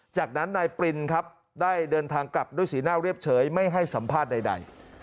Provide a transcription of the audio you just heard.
จากนั้นนายปรินครับได้เดินทางกลับด้วยสีหน้าเรียบเฉยไม่ให้สัมภาษณ์ใด